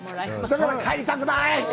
だから、帰りたくないって。